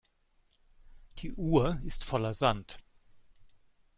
Die Uhr ist voller Sand.